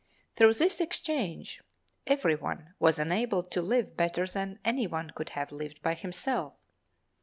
Through this exchange, everyone was enabled to live better than anyone could have lived by himself.